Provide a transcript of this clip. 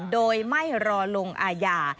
โดยไม่รอลงอาญา